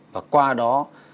và qua đó